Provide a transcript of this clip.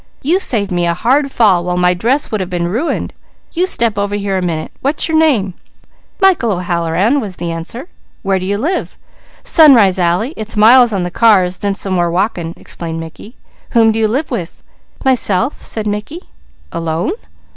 You saved me a hard fall, while my dress would have been ruined. You step over here a minute. What's your name?" "Michael O'Halloran," was the answer. "Where do you live?" "Sunrise Alley. It's miles on the cars, then some more walking," explained Mickey. "Whom do you live with?" "Myself," said Mickey. "Alone?"